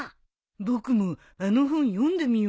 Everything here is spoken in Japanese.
僕もあの本読んでみようかな。